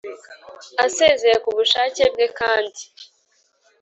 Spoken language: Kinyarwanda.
Asezeye ku bushake bwe kandi